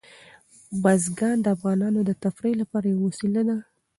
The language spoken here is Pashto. بزګان د افغانانو د تفریح لپاره یوه وسیله ده.